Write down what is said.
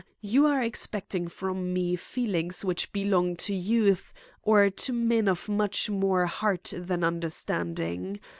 you are expecting from me feelings which belong to youth or to men of much more heart than understanding.